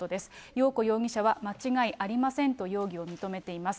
よう子容疑者は、間違いありませんと容疑を認めています。